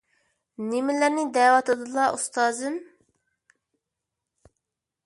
نېمىلەرنى دەۋاتىدىلا، ئۇستازىم.